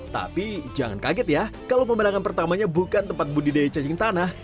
tapi jangan kaget ya kalau pemandangan pertamanya bukan tempat budidaya cacing tanah